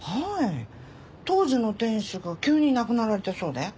当時の店主が急に亡くなられたそうで。